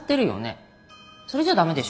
それじゃ駄目でしょ。